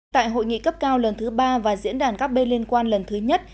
tại hội nghị cấp cao lần thứ ba và diễn đàn các bên liên quan lần thứ nhất